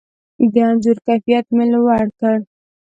د انځور کیفیت مې لوړ کړ.